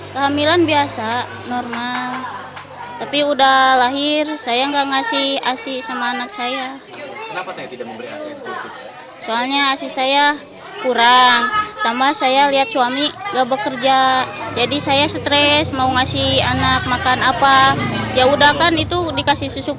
saya sembilan belas hari melahirkan saya langsung kerja